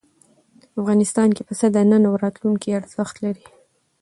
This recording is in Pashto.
افغانستان کې پسه د نن او راتلونکي ارزښت لري.